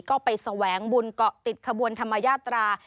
ก็ไปแสวงบุญเกาะติดขบวนธรรมยาตรา